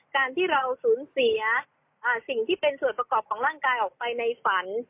การที่เราสูญเสียสิ่งที่เป็นส่วนประกอบของร่างกายออกไปในฝัน